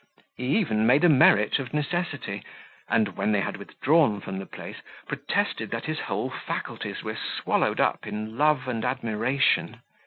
He even made a merit of necessity; and, when they had withdrawn from the place, protested that his whole faculties were swallowed up in love and admiration.